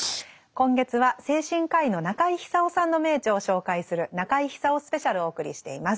今月は精神科医の中井久夫さんの名著を紹介する「中井久夫スペシャル」をお送りしています。